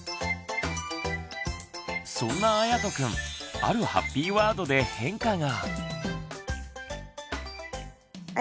そんなあやとくんあるハッピーワードで変化が。